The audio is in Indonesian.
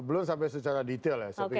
belum sampai secara detail ya